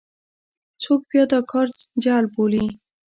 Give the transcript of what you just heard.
څوک بیا دا کار جعل بولي.